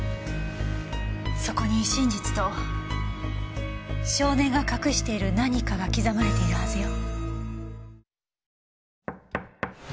そこに真実と少年が隠している何かが刻まれているはずよ。